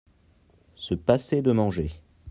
Se passer de manger.